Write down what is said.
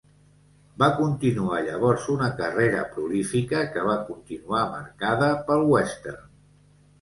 Va continuar llavors una carrera prolífica que va continuar marcada pel western.